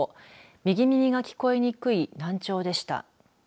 右耳が聞こえにくい難聴でした。